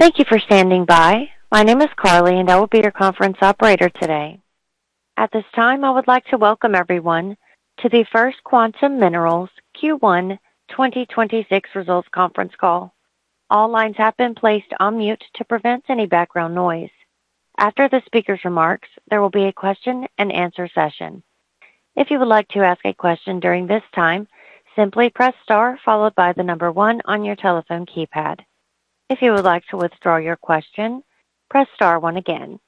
Thank you for standing by. My name is Carly, and I will be your conference operator today. At this time, I would like to welcome everyone to the First Quantum Minerals Q1 2026 results conference call. All lines have been placed on mute to prevent any background noise. After the speaker's remarks, there will be a question-and-answer session. If you would like to ask a question during this time, simply press star followed by the number one on your telephone keypad. If you would like to withdraw your question, press star one again.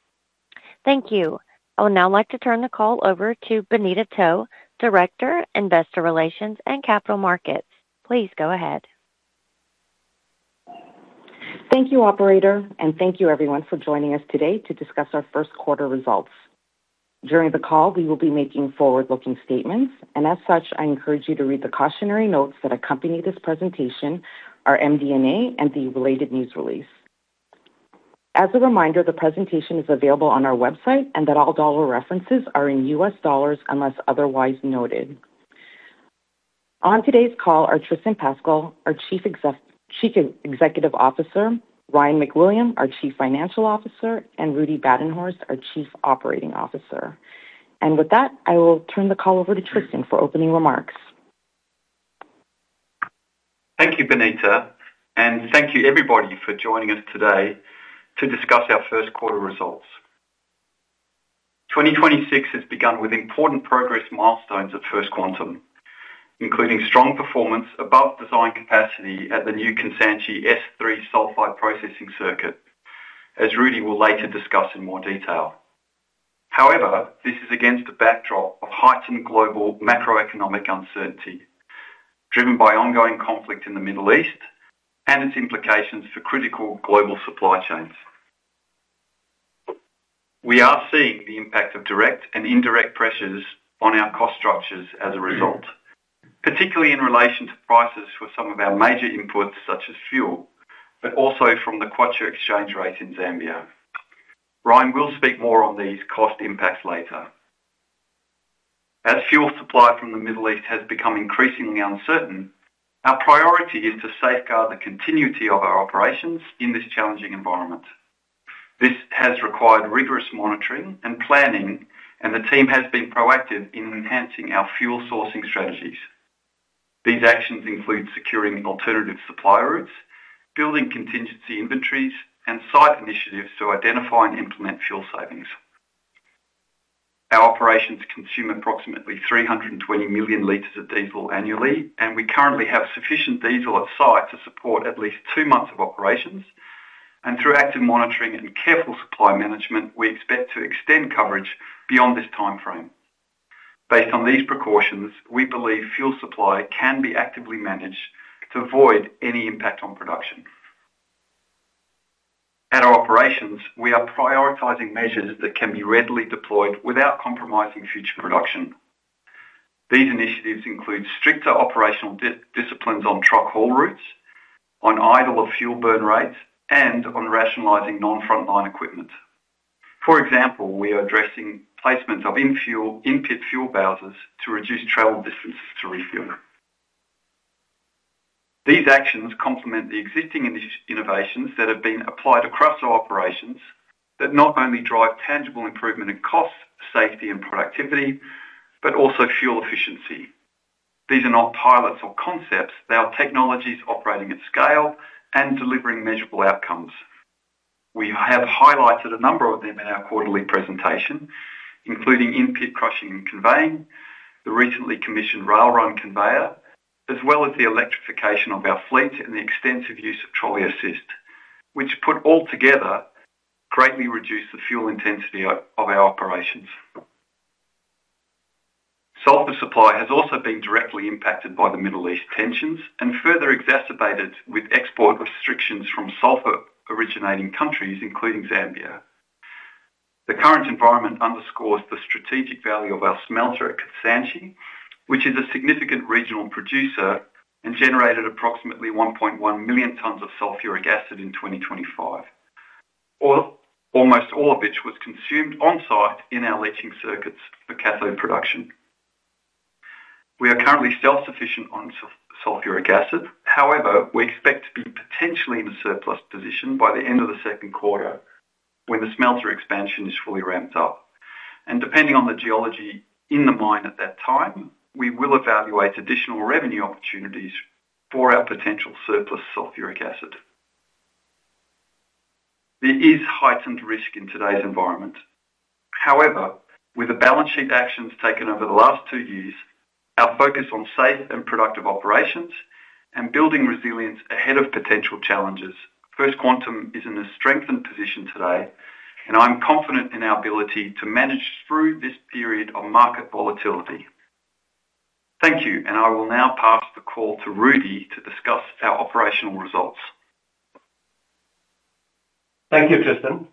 Thank you. I would now like to turn the call over to Bonita To, Director, Investor Relations, and Capital Markets. Please go ahead. Thank you, operator. Thank you everyone for joining us today to discuss our first quarter results. During the call, we will be making forward-looking statements, and as such, I encourage you to read the cautionary notes that accompany this presentation, our MD&A, and the related news release. As a reminder, the presentation is available on our website and that all dollar references are in U.S. dollars unless otherwise noted. On today's call are Tristan Pascall, our Chief Executive Officer, Ryan MacWilliam, our Chief Financial Officer, and Rudi Badenhorst, our Chief Operating Officer. With that, I will turn the call over to Tristan for opening remarks. Thank you, Bonita. Thank you everybody for joining us today to discuss our first quarter results. 2026 has begun with important progress milestones at First Quantum, including strong performance above design capacity at the new Kansanshi S3 sulfide processing circuit, as Rudi will later discuss in more detail. However, this is against a backdrop of heightened global macroeconomic uncertainty, driven by ongoing conflict in the Middle East and its implications for critical global supply chains. We are seeing the impact of direct and indirect pressures on our cost structures as a result, particularly in relation to prices for some of our major inputs such as fuel, but also from the kwacha exchange rate in Zambia. Ryan will speak more on these cost impacts later. As fuel supply from the Middle East has become increasingly uncertain, our priority is to safeguard the continuity of our operations in this challenging environment. This has required rigorous monitoring and planning, and the team has been proactive in enhancing our fuel sourcing strategies. These actions include securing alternative supply routes, building contingency inventories, and site initiatives to identify and implement fuel savings. Our operations consume approximately 320 million L of diesel annually, and we currently have sufficient diesel on site to support at least two months of operations. Through active monitoring and careful supply management, we expect to extend coverage beyond this timeframe. Based on these precautions, we believe fuel supply can be actively managed to avoid any impact on production. At our operations, we are prioritizing measures that can be readily deployed without compromising future production. These initiatives include stricter operational disciplines on truck haul routes, on idle of fuel burn rates, and on rationalizing non-frontline equipment. For example, we are addressing placements of in-pit fuel bowsers to reduce travel distances to refuel. These actions complement the existing innovations that have been applied across our operations that not only drive tangible improvement in cost, safety, and productivity, but also fuel efficiency. These are not pilots or concepts. They are technologies operating at scale and delivering measurable outcomes. We have highlighted a number of them in our quarterly presentation, including In-Pit Crushing and Conveying, the recently commissioned Rail-Veyor, as well as the electrification of our fleet and the extensive use of trolley assist, which put all together greatly reduce the fuel intensity of our operations. Sulfur supply has also been directly impacted by the Middle East tensions and further exacerbated with export restrictions from sulfur originating countries, including Zambia. The current environment underscores the strategic value of our smelter at Kansanshi, which is a significant regional producer and generated approximately 1.1 million tons of sulfuric acid in 2025. Almost all of which was consumed on-site in our leaching circuits for cathode production. We are currently self-sufficient on sulfuric acid. We expect to be potentially in a surplus position by the end of the second quarter when the smelter expansion is fully ramped up. Depending on the geology in the mine at that time, we will evaluate additional revenue opportunities for our potential surplus sulfuric acid. There is heightened risk in today's environment. However, with the balance sheet actions taken over the last two years, our focus on safe and productive operations and building resilience ahead of potential challenges, First Quantum is in a strengthened position today, and I'm confident in our ability to manage through this period of market volatility. Thank you, and I will now pass the call to Rudi to discuss our operational results. Thank you, Tristan.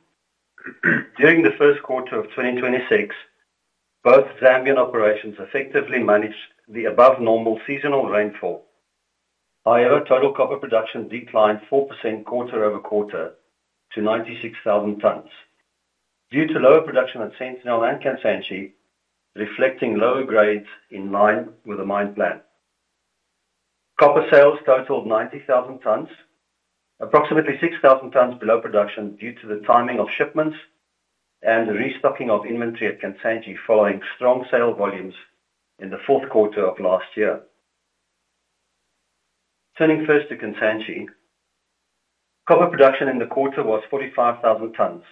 During the first quarter of 2026, both Zambian operations effectively managed the above normal seasonal rainfall. Total copper production declined 4% quarter-over-quarter to 96,000 tons due to lower production at Sentinel and Kansanshi, reflecting lower grades in line with the mine plan. Copper sales totaled 90,000 tons, approximately 6,000 tons below production due to the timing of shipments and the restocking of inventory at Kansanshi following strong sale volumes in the fourth quarter of last year. Turning first to Kansanshi. Copper production in the quarter was 45,000 tons,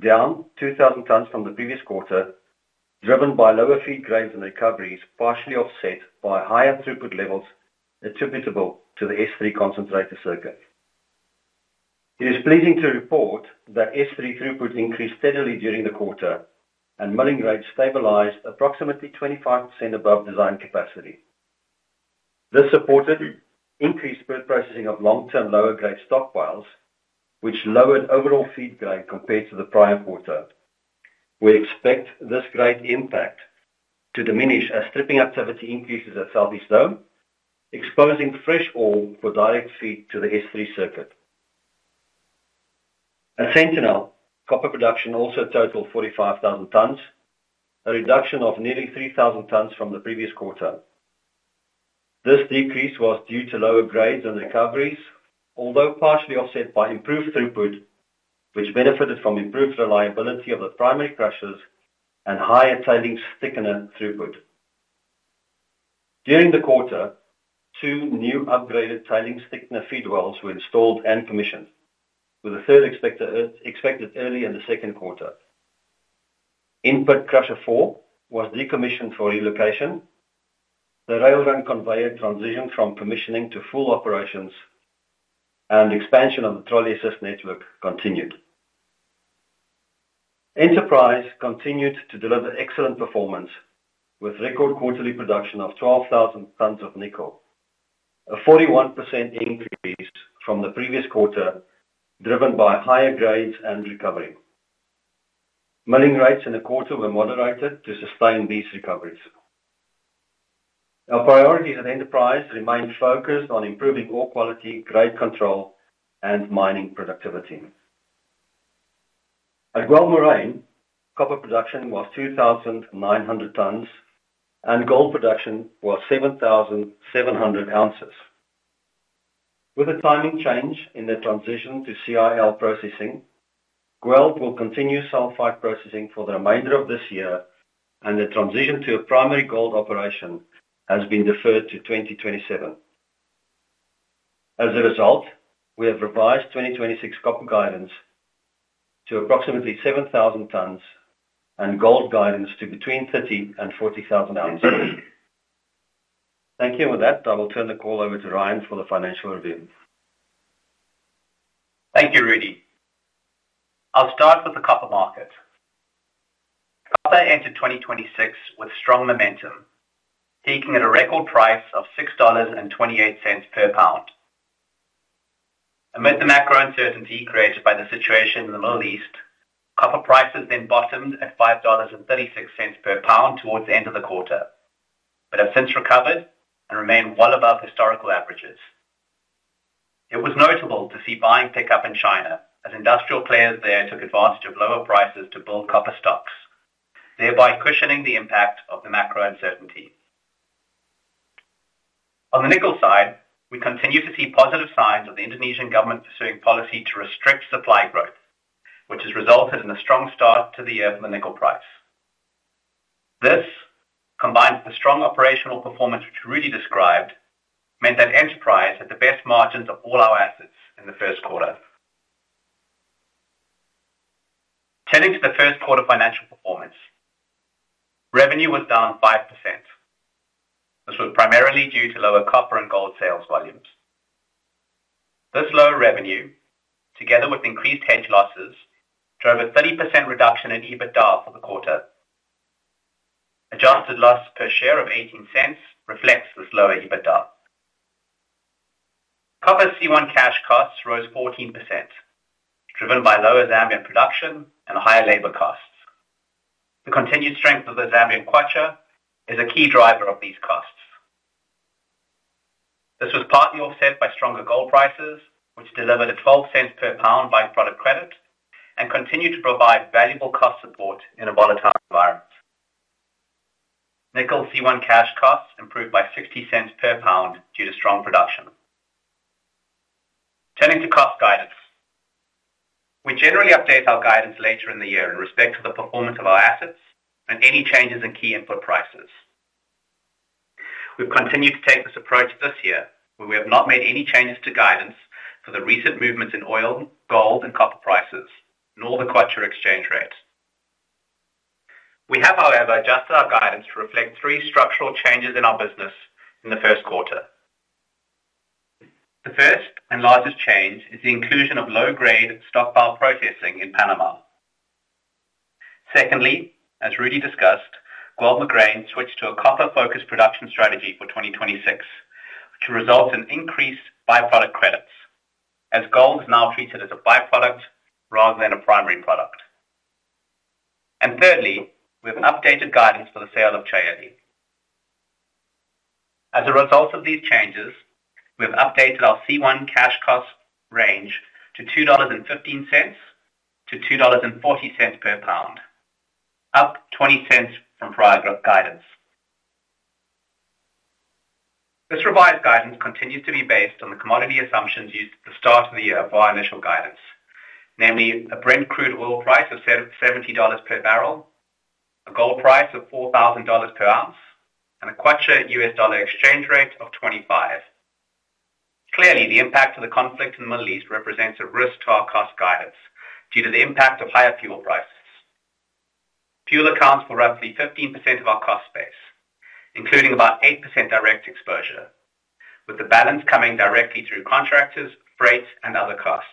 down 2,000 tons from the previous quarter, driven by lower feed grades and recoveries, partially offset by higher throughput levels attributable to the S3 concentrator circuit. It is pleasing to report that S3 throughput increased steadily during the quarter and milling rates stabilized approximately 25% above design capacity. This supported increased processing of long-term lower grade stockpiles, which lowered overall feed grade compared to the prior quarter. We expect this grade impact to diminish as stripping activity increases at Southeast Dome, exposing fresh ore for direct feed to the S3 circuit. At Sentinel, copper production also totaled 45,000 tons, a reduction of nearly 3,000 tons from the previous quarter. This decrease was due to lower grades and recoveries, although partially offset by improved throughput, which benefited from improved reliability of the primary crushers and higher tailings thickener throughput. During the quarter, two new upgraded tailings thickener feed wells were installed and commissioned, with the third expected early in the second quarter. In-Pit Crusher 4 was decommissioned for relocation. The Rail-Veyor transitioned from commissioning to full operations, expansion of the trolley assist network continued. Enterprise continued to deliver excellent performance with record quarterly production of 12,000 tons of nickel. A 41% increase from the previous quarter, driven by higher grades and recovery. Milling rates in the quarter were moderated to sustain these recoveries. Our priorities at Enterprise remain focused on improving ore quality, grade control, and mining productivity. At Guelb Moghrein, copper production was 2,900 tons, and gold production was 7,700 ounces. With a timing change in the transition to CIL processing, Guelb will continue sulfide processing for the remainder of this year, and the transition to a primary gold operation has been deferred to 2027. We have revised 2026 copper guidance to approximately 7,000 tons and gold guidance to between 30,000 and 40,000 ounces. Thank you. With that, I will turn the call over to Ryan for the financial review. Thank you, Rudi. I'll start with the copper market. Copper entered 2026 with strong momentum, peaking at a record price of $6.28 per lb. Amidst the macro uncertainty created by the situation in the Middle East, copper prices then bottomed at $5.36 per lb towards the end of the quarter, but have since recovered and remain well above historical averages. It was notable to see buying pick up in China as industrial players there took advantage of lower prices to build copper stocks, thereby cushioning the impact of the macro uncertainty. On the nickel side, we continue to see positive signs of the Indonesian government pursuing policy to restrict supply growth, which has resulted in a strong start to the year for the nickel price. This, combined with the strong operational performance which Rudi described, meant that Enterprise had the best margins of all our assets in the first quarter. Turning to the first quarter financial performance. Revenue was down 5%. This was primarily due to lower copper and gold sales volumes. This lower revenue, together with increased hedge losses, drove a 30% reduction in EBITDA for the quarter. Adjusted loss per share of $0.18 reflects this lower EBITDA. Copper C1 cash costs rose 14%, driven by lower Zambian production and higher labor costs. The continued strength of the Zambian kwacha is a key driver of these costs. This was partly offset by stronger gold prices, which delivered a $0.12 per lb by-product credit and continued to provide valuable cost support in a volatile environment. Nickel C1 cash costs improved by $0.60 per lb due to strong production. Turning to cost guidance. We generally update our guidance later in the year in respect to the performance of our assets and any changes in key input prices. We've continued to take this approach this year, where we have not made any changes to guidance for the recent movements in oil, gold and copper prices, nor the kwacha exchange rate. We have, however, adjusted our guidance to reflect three structural changes in our business in the first quarter. The first and largest change is the inclusion of low-grade stockpile processing in Panama. Secondly, as Rudi discussed, Guelb Moghrein switched to a copper-focused production strategy for 2026 to result in increased by-product credits, as gold is now treated as a by-product rather than a primary product. Thirdly, we have an updated guidance for the sale of Çayeli. As a result of these changes, we have updated our C1 cash cost range to $2.15-$2.40 per lb. $0.20 from prior guidance. This revised guidance continues to be based on the commodity assumptions used at the start of the year by initial guidance, namely a Brent crude oil price of $70 per barrel, a gold price of $4,000 per ounce, and a kwacha-U.S. dollar exchange rate of 25. Clearly, the impact of the conflict in the Middle East represents a risk to our cost guidance due to the impact of higher fuel prices. Fuel accounts for roughly 15% of our cost base, including about 8% direct exposure, with the balance coming directly through contractors, freights, and other costs.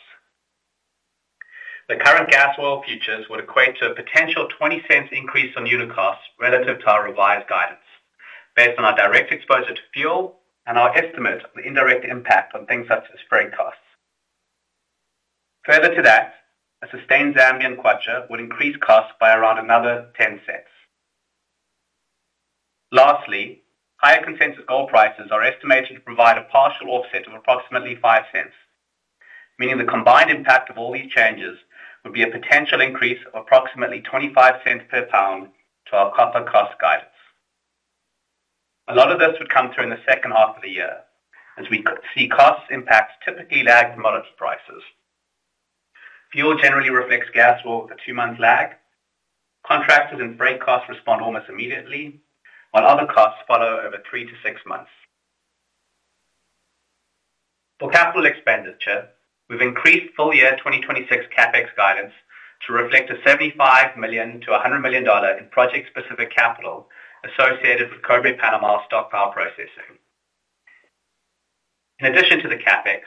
The current gas oil futures would equate to a potential $0.20 increase on unit costs relative to our revised guidance based on our direct exposure to fuel and our estimate of the indirect impact on things such as freight costs. A sustained Zambian kwacha would increase costs by around another $0.10. Higher consensus gold prices are estimated to provide a partial offset of approximately $0.05, meaning the combined impact of all these changes would be a potential increase of approximately $0.25 per lb to our copper cost guidance. A lot of this would come through in the second half of the year as we see costs impacts typically lag commodity prices. Fuel generally reflects gas oil with a two-month lag. Contractors and freight costs respond almost immediately, while other costs follow over three to six months. For capital expenditure, we've increased full year 2026 CapEx guidance to reflect a $75 million-$100 million in project-specific capital associated with Cobre Panamá stockpile processing. In addition to the CapEx,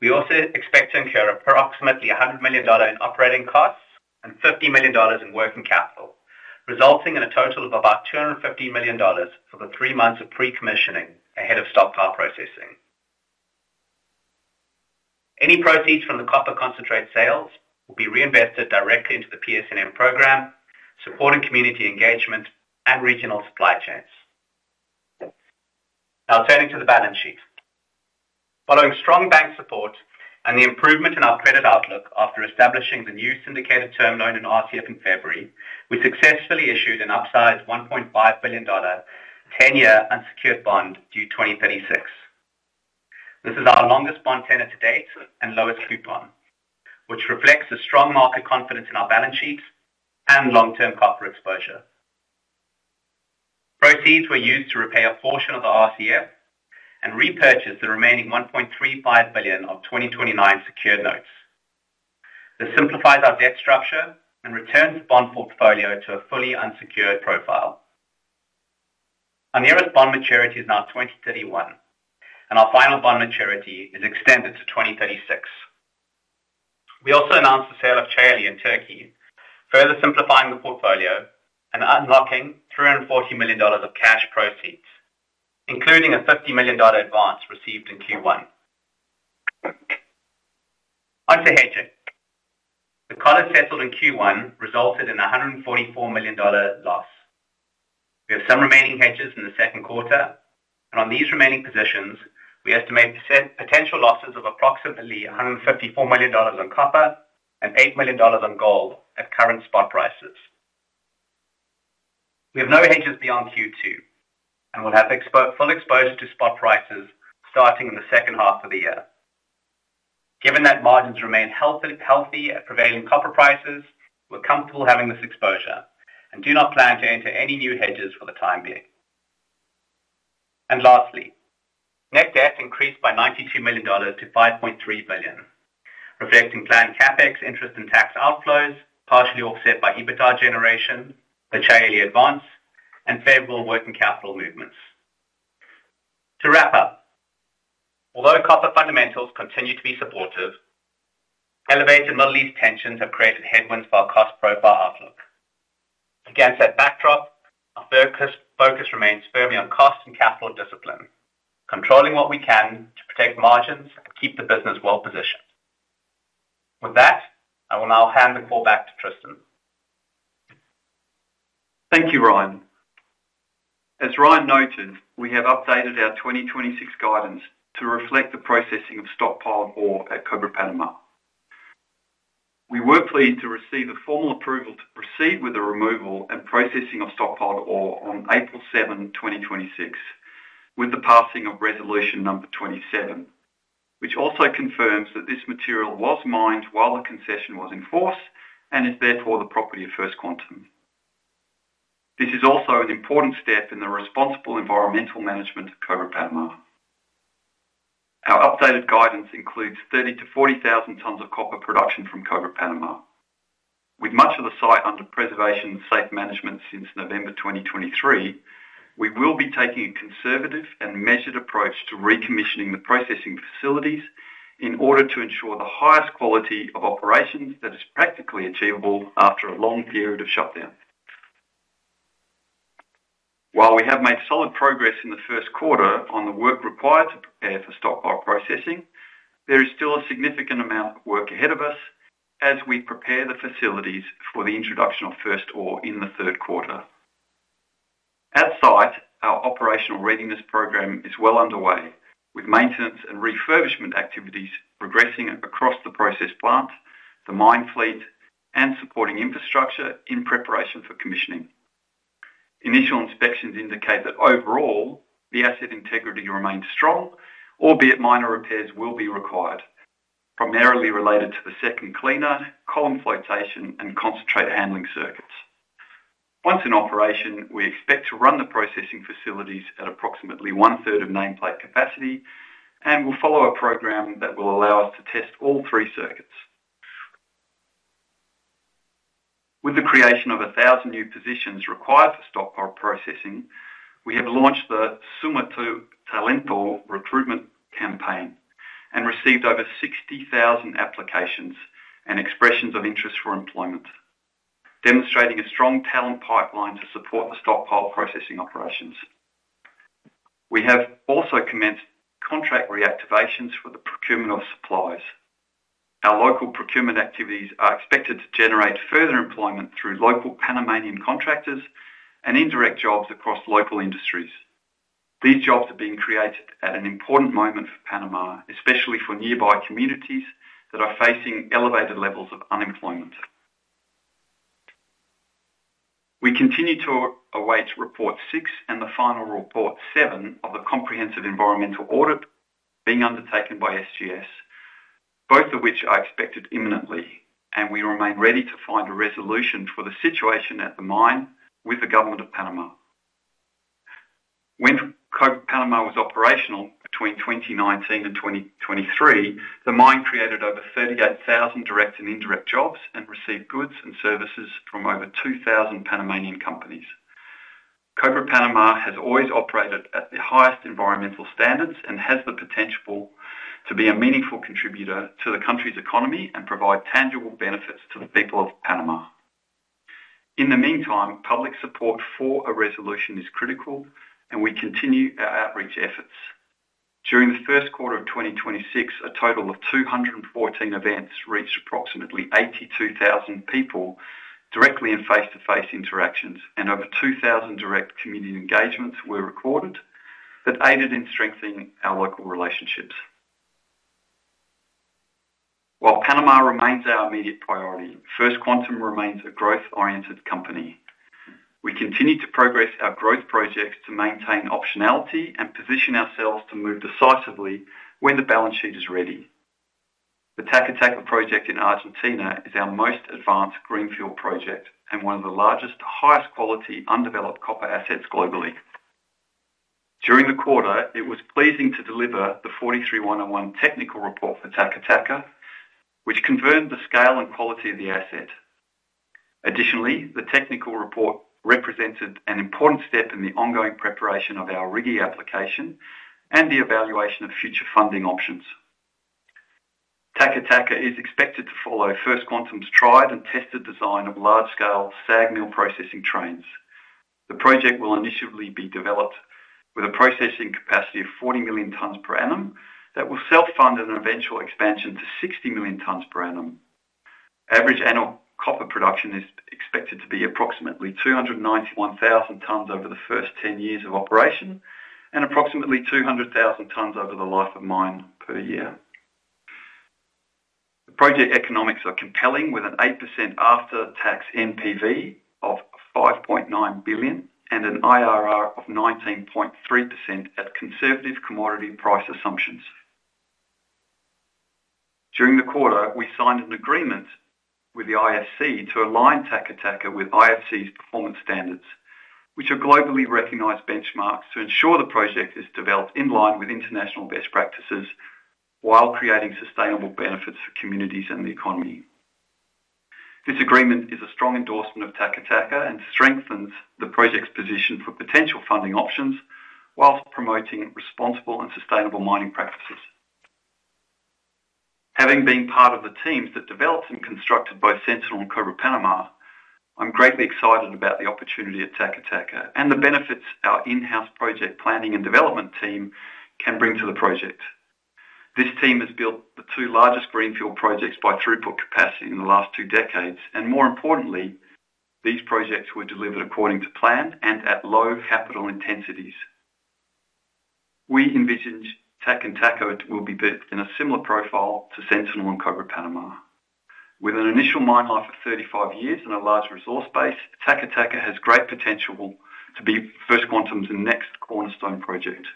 we also expect to incur approximately $100 million in operating costs and $50 million in working capital, resulting in a total of about $250 million for the three months of pre-commissioning ahead of stockpile processing. Any proceeds from the copper concentrate sales will be reinvested directly into the PSNM program, supporting community engagement and regional supply chains. Now turning to the balance sheet. Following strong bank support and the improvement in our credit outlook after establishing the new syndicated term loan and RCF in February, we successfully issued an upsized $1.5 billion, 10-year unsecured bond due 2036. This is our longest bond tenor to date and lowest coupon, which reflects the strong market confidence in our balance sheets and long-term copper exposure. Proceeds were used to repay a portion of the RCF and repurchase the remaining $1.35 billion of 2029 secured notes. This simplifies our debt structure and returns bond portfolio to a fully unsecured profile. Our nearest bond maturity is now 2031, and our final bond maturity is extended to 2036. We also announced the sale of Çayeli in Türkiye, further simplifying the portfolio and unlocking $340 million of cash proceeds, including a $50 million advance received in Q1. On to hedging. The collar settled in Q1 resulted in a $144 million loss. We have some remaining hedges in the second quarter. On these remaining positions, we estimate potential losses of approximately $154 million on copper and $8 million on gold at current spot prices. We have no hedges beyond Q2. We'll have full exposure to spot prices starting in the second half of the year. Given that margins remain healthy at prevailing copper prices, we're comfortable having this exposure and do not plan to enter any new hedges for the time being. Lastly, net debt increased by $92 million to $5.3 billion, reflecting planned CapEx interest and tax outflows, partially offset by EBITDA generation, the Çayeli advance, and favorable working capital movements. To wrap up, although copper fundamentals continue to be supportive, elevated Middle East tensions have created headwinds for our cost profile outlook. Against that backdrop, our focus remains firmly on cost and capital discipline, controlling what we can to protect margins and keep the business well-positioned. With that, I will now hand the call back to Tristan. Thank you, Ryan. As Ryan noted, we have updated our 2026 guidance to reflect the processing of stockpiled ore at Cobre Panamá. We were pleased to receive the formal approval to proceed with the removal and processing of stockpiled ore on April 7th, 2026, with the passing of Resolution No. 27, which also confirms that this material was mined while the concession was in force and is therefore the property of First Quantum. This is also an important step in the responsible environmental management of Cobre Panamá. Our updated guidance includes 30,000-40,000 tons of copper production from Cobre Panamá. With much of the site under preservation and safe management since November 2023, we will be taking a conservative and measured approach to recommissioning the processing facilities in order to ensure the highest quality of operations that is practically achievable after a long period of shutdown. While we have made solid progress in the first quarter on the work required to prepare for stockpile processing, there is still a significant amount of work ahead of us as we prepare the facilities for the introduction of first ore in the third quarter. Our operational readiness program is well underway, with maintenance and refurbishment activities progressing across the process plant, the mine fleet and supporting infrastructure in preparation for commissioning. Initial inspections indicate that overall the asset integrity remains strong, albeit minor repairs will be required, primarily related to the second cleaner, column flotation and concentrate handling circuits. Once in operation, we expect to run the processing facilities at approximately one-third of nameplate capacity and will follow a program that will allow us to test all three circuits. With the creation of 1,000 new positions required for stockpile processing, we have launched the Suma tu Talento recruitment campaign and received over 60,000 applications and expressions of interest for employment, demonstrating a strong talent pipeline to support the stockpile processing operations. We have also commenced contract reactivations for the procurement of supplies. Our local procurement activities are expected to generate further employment through local Panamanian contractors and indirect jobs across local industries. These jobs are being created at an important moment for Panama, especially for nearby communities that are facing elevated levels of unemployment. We continue to await Report 6 and the Final Report 7 of the comprehensive environmental audit being undertaken by SGS, both of which are expected imminently, and we remain ready to find a resolution for the situation at the mine with the government of Panama. When Cobre Panamá was operational between 2019 and 2023, the mine created over 38,000 direct and indirect jobs and received goods and services from over 2,000 Panamanian companies. Cobre Panamá has always operated at the highest environmental standards and has the potential to be a meaningful contributor to the country's economy and provide tangible benefits to the people of Panama. In the meantime, public support for a resolution is critical, and we continue our outreach efforts. During the first quarter of 2026, a total of 214 events reached approximately 82,000 people directly in face-to-face interactions. Over 2,000 direct community engagements were recorded that aided in strengthening our local relationships. While Panama remains our immediate priority, First Quantum remains a growth-oriented company. We continue to progress our growth projects to maintain optionality and position ourselves to move decisively when the balance sheet is ready. The Taca Taca project in Argentina is our most advanced greenfield project and one of the largest, highest quality undeveloped copper assets globally. During the quarter, it was pleasing to deliver the 43-101 technical report for Taca Taca, which confirmed the scale and quality of the asset. Additionally, the technical report represented an important step in the ongoing preparation of our RIGI application and the evaluation of future funding options. Taca Taca is expected to follow First Quantum's tried and tested design of large-scale SAG mill processing trains. The project will initially be developed with a processing capacity of 40 million tons per annum that will self-fund an eventual expansion to 60 million tons per annum. Average annual copper production is expected to be approximately 291,000 tons over the first 10 years of operation and approximately 200,000 tons over the life of mine per year. The project economics are compelling, with an 8% after-tax NPV of $5.9 billion and an IRR of 19.3% at conservative commodity price assumptions. During the quarter, we signed an agreement with the IFC to align Taca Taca with IFC's performance standards, which are globally recognized benchmarks to ensure the project is developed in line with international best practices while creating sustainable benefits for communities and the economy. This agreement is a strong endorsement of Taca Taca and strengthens the project's position for potential funding options whilst promoting responsible and sustainable mining practices. Having been part of the teams that developed and constructed both Sentinel and Cobre Panamá, I'm greatly excited about the opportunity at Taca Taca and the benefits our in-house project planning and development team can bring to the project. This team has built the two largest greenfield projects by throughput capacity in the last two decades. More importantly, these projects were delivered according to plan and at low capital intensities. We envision Taca Taca will be built in a similar profile to Sentinel and Cobre Panamá. With an initial mine life of 35 years and a large resource base, Taca Taca has great potential to be First Quantum's next cornerstone project.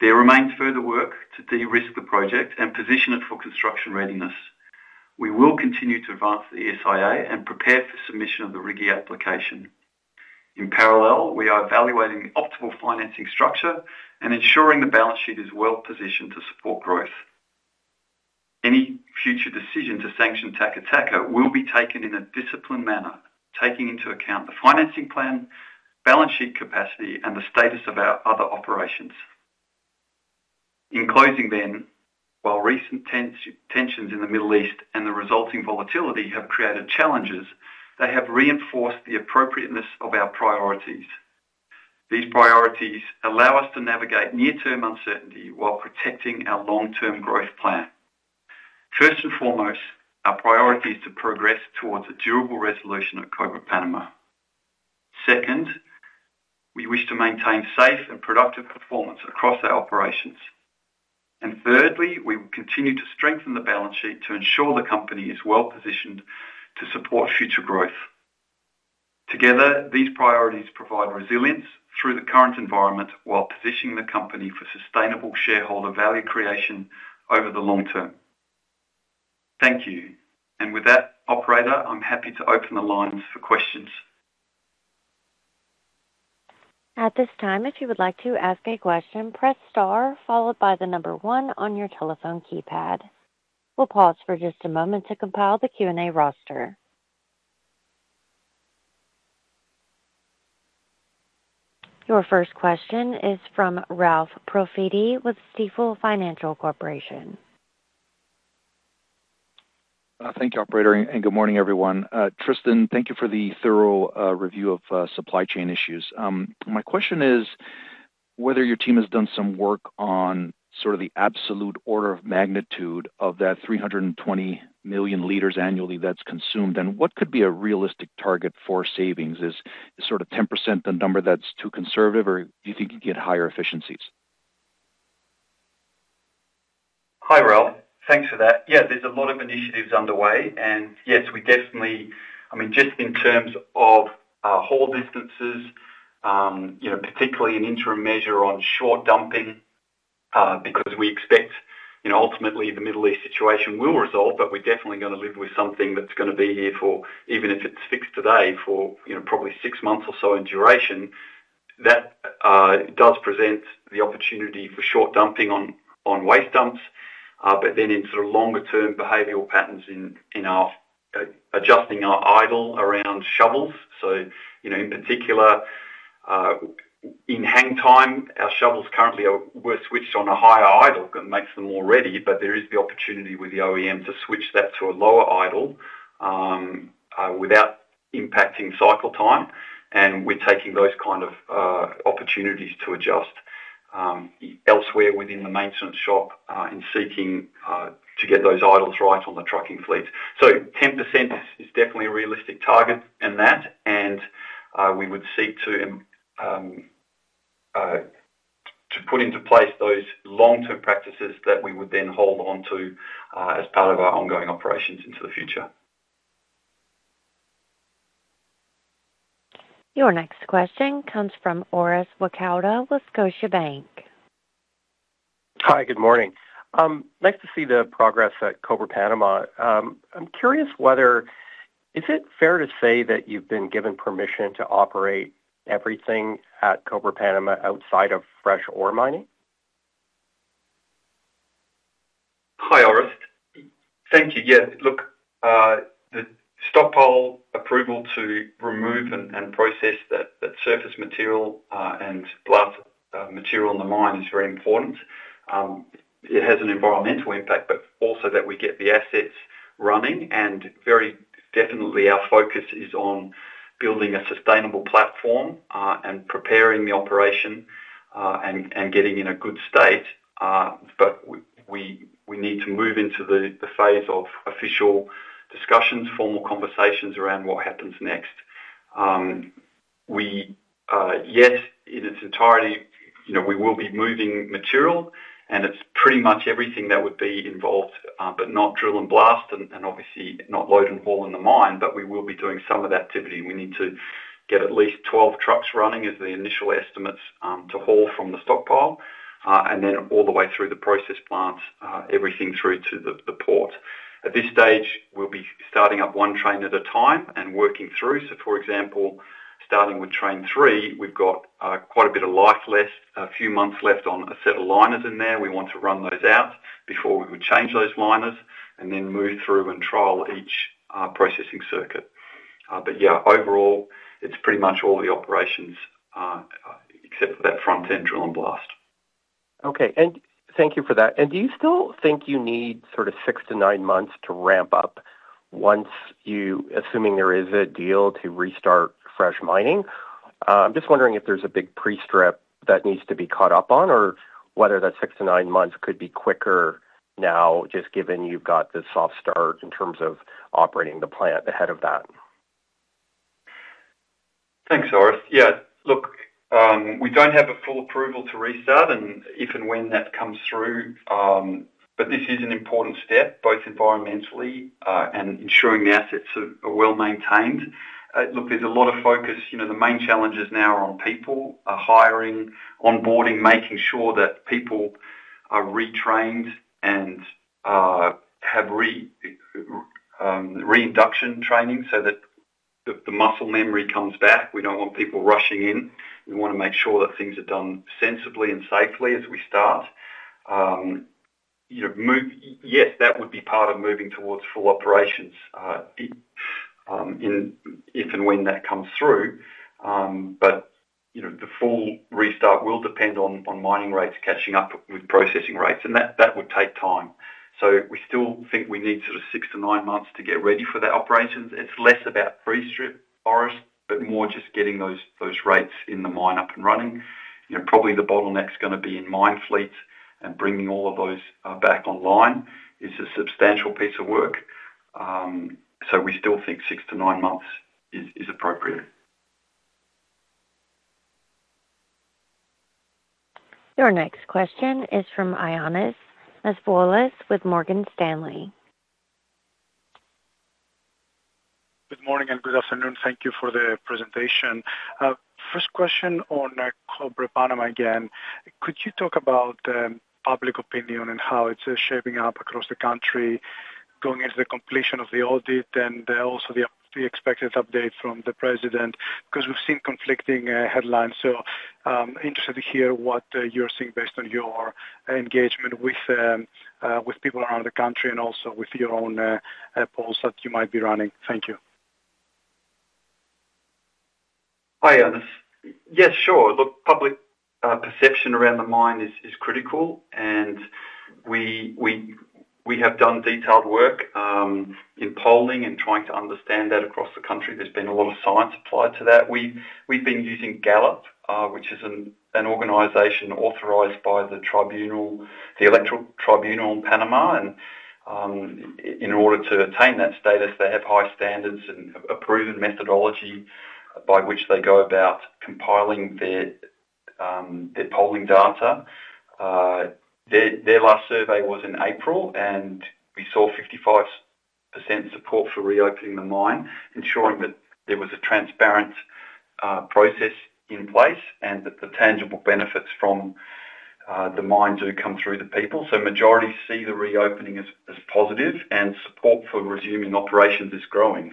There remains further work to de-risk the project and position it for construction readiness. We will continue to advance the ESIA and prepare for submission of the RIGI application. In parallel, we are evaluating the optimal financing structure and ensuring the balance sheet is well positioned to support growth. Any future decision to sanction Taca Taca will be taken in a disciplined manner, taking into account the financing plan, balance sheet capacity, and the status of our other operations. In closing, while recent tensions in the Middle East and the resulting volatility have created challenges, they have reinforced the appropriateness of our priorities. These priorities allow us to navigate near-term uncertainty while protecting our long-term growth plan. First and foremost, our priority is to progress towards a durable resolution at Cobre Panamá. Second, we wish to maintain safe and productive performance across our operations. Thirdly, we will continue to strengthen the balance sheet to ensure the company is well-positioned to support future growth. Together, these priorities provide resilience through the current environment while positioning the company for sustainable shareholder value creation over the long term. Thank you. With that, operator, I'm happy to open the lines for questions. At this time, if you would like to ask a question, press star followed by the number one on your telephone keypad. We'll pause for just a moment to compile the Q&A roster. Your first question is from Ralph Profiti with Stifel Financial Corporation. Thank you, operator, good morning, everyone. Tristan, thank you for the thorough review of supply chain issues. My question is whether your team has done some work on sort of the absolute order of magnitude of that 320 million L annually that's consumed and what could be a realistic target for savings? Is sort of 10% the number that's too conservative, or do you think you get higher efficiencies? Hi, Ralph. Thanks for that. Yeah, there's a lot of initiatives underway. Yes, we definitely, I mean, just in terms of haul distances, you know, particularly an interim measure on short dumping, because we expect, you know, ultimately the Middle East situation will resolve, but we're definitely gonna live with something that's gonna be here for, even if it's fixed today, for, you know, probably six months or so in duration. That does present the opportunity for short dumping on waste dumps, but then in sort of longer term behavioral patterns in our adjusting our idle around shovels. You know, in particular, in hang time, our shovels currently were switched on a higher idle that makes them more ready. There is the opportunity with the OEM to switch that to a lower idle without impacting cycle time. We're taking those kind of opportunities to adjust elsewhere within the maintenance shop in seeking to get those idles right on the trucking fleet. 10% is definitely a realistic target in that. We would seek to put into place those long-term practices that we would then hold on to as part of our ongoing operations into the future. Your next question comes from Orest Wowkodaw with Scotiabank. Hi, good morning. Nice to see the progress at Cobre Panamá. I'm curious, is it fair to say that you've been given permission to operate everything at Cobre Panamá outside of fresh ore mining? Hi, Orest. Thank you. Yes. Look, the stockpile approval to remove and process that surface material, and blast material in the mine is very important. It has an environmental impact, also that we get the assets running. Very definitely our focus is on building a sustainable platform, and preparing the operation, and getting in a good state. We need to move into the phase of official discussions, formal conversations around what happens next. We, yes, in its entirety, you know, we will be moving material, and it's pretty much everything that would be involved, but not drill and blast and obviously not load and haul in the mine, but we will be doing some of that activity. We need to get at least 12 trucks running as the initial estimates, to haul from the stockpile, and then all the way through the process plants, everything through to the port. At this stage, we'll be starting up one train at a time and working through. For example, starting with Train 3, we've got quite a bit of life left, a few months left on a set of liners in there. We want to run those out before we would change those liners and then move through and trial each processing circuit. Yeah, overall, it's pretty much all the operations, except for that front-end drill and blast. Okay. Thank you for that. Do you still think you need sort of 6 to 9 months to ramp up assuming there is a deal to restart fresh mining? I'm just wondering if there's a big pre-strip that needs to be caught up on or whether that 6 to 9 months could be quicker now, just given you've got the soft start in terms of operating the plant ahead of that. Thanks, Orest. Yeah, look, we don't have a full approval to restart and if and when that comes through, this is an important step, both environmentally, and ensuring the assets are well-maintained. Look, there's a lot of focus. You know, the main challenges now are on people, hiring, onboarding, making sure that people are retrained and have reinduction training so that the muscle memory comes back. We don't want people rushing in. We wanna make sure that things are done sensibly and safely as we start. Yes, that would be part of moving towards full operations, if and when that comes through. You know, the full restart will depend on mining rates catching up with processing rates, and that would take time. We still think we need sort of six to nine months to get ready for that operations. It's less about pre-strip, Orest, but more just getting those rates in the mine up and running. You know, probably the bottleneck's gonna be in mine fleets and bringing all of those back online. It's a substantial piece of work. We still think six to nine months is appropriate. Your next question is from Ioannis Masvoulas with Morgan Stanley. Good morning and good afternoon. Thank you for the presentation. First question on Cobre Panamá again. Could you talk about public opinion and how it's shaping up across the country going into the completion of the audit and also the expected update from the president? 'Cause we've seen conflicting headlines. Interested to hear what you're seeing based on your engagement with people around the country and also with your own polls that you might be running. Thank you. Hi, Ioannis. Yes, sure. Look, public perception around the mine is critical, and we have done detailed work in polling and trying to understand that across the country. There's been a lot of science applied to that. We've been using Gallup, which is an organization authorized by the tribunal, the electoral tribunal in Panama. In order to attain that status, they have high standards and a proven methodology by which they go about compiling their polling data. Their last survey was in April, and we saw 55% support for reopening the mine, ensuring that there was a transparent process in place, and that the tangible benefits from the mine do come through the people. Majority see the reopening as positive and support for resuming operations is growing.